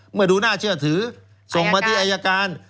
เมื่อดูน่าเชื่อถือส่งมาที่อายการ